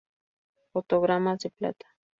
Fotogramas de Plata